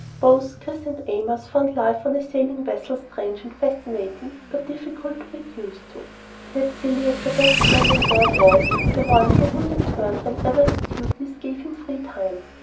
Both Chris and Amos found life on a sailing vessel strange and fascinating but difficult to get used to. Ned Cilley as their best friend on board was the one to whom they turned whenever his duties gave him free time.